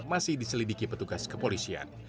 masih diselidiki petugas kepolisian